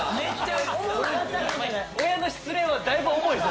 お前親の失恋はだいぶ重いぞ。